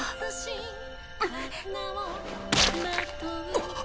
あっ！